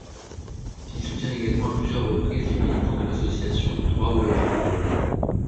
Il soutient également à plusieurs reprises les militants de l'association Droit au logement.